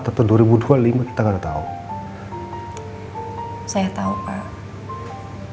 tapi bapak gak boleh pesimis